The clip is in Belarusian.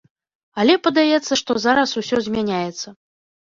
Але падаецца, што зараз усё змяняецца.